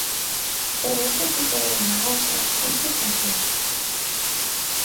Pero este tipo de demagoxia, ¿en que consiste?